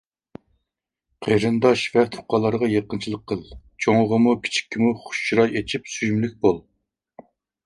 قېرىنداش ۋە تۇغقانلارغا يېقىنلىق قىل، چوڭغىمۇ كىچىككىمۇ خۇش چىراي ئېچىپ سۆيۈملۈك بول.